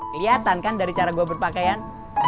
kelihatan kan dari cara gue berpakaian